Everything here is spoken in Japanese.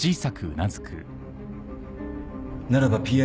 ならばＰＩ